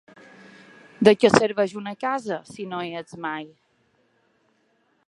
De què serveix una casa, si no hi ets mai?